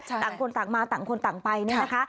ต่างคนต่างมาต่างคนต่างไปเนี่ยนะคะ